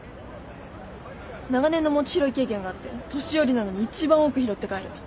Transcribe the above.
長年の餅拾い経験があって年寄りなのに一番多く拾って帰る。